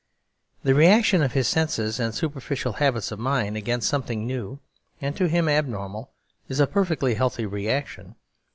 The reaction of his senses and superficial habits of mind against something new, and to him abnormal, is a perfectly healthy reaction.